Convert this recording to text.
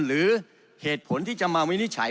หรือเหตุผลที่จะมาวินิจฉัย